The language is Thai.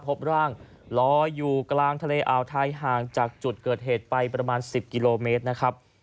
พบร่างลอยอยู่กลางทะเลอ่าวไทยห่างจากจุดเกิดเหตุไปประมาณ๑๐กิโลเมตรนะครับ